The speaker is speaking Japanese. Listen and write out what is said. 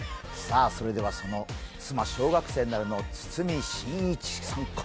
それではその「妻、小学生になる」の堤真一さん